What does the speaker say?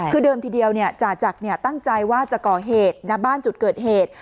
คือเดิมทีเดียวจ่าจักรตั้งใจว่าจะก่อเหตุณบ้านจุดเกิดเหตุ